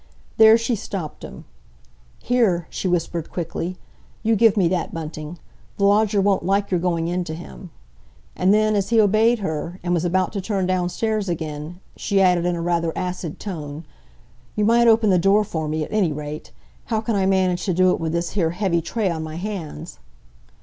There she stopped him. "Here," she whispered quickly, "you give me that, Bunting. The lodger won't like your going in to him." And then, as he obeyed her, and was about to turn downstairs again, she added in a rather acid tone, "You might open the door for me, at any rate! How can I manage to do it with this here heavy tray on my hands?"